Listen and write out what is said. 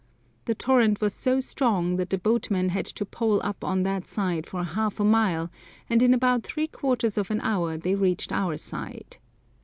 The torrent was so strong that the boatmen had to pole up on that side for half a mile, and in about three quarters of an hour they reached our side.